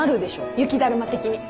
雪だるま的に。